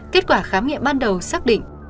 kết quả khám nghiệm ban đầu xác định